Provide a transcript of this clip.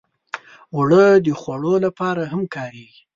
اوړه د خوږو لپاره هم کارېږي